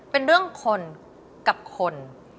เป็นเรื่องคนกับคน